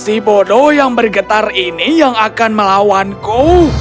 si bodoh yang bergetar ini yang akan melawanku